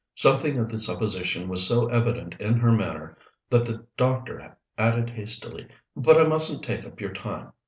Something of the supposition was so evident in her manner that the doctor added hastily: "But I mustn't take up your time.